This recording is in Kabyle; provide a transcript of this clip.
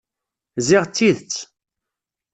Ziɣ d tidet.